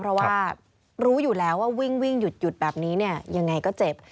เพราะว่ารู้อยู่แล้วว่าวิ่งหยุดแบบนี้เนี่ยยังไงก็เจ็บ